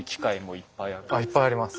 いっぱいあります。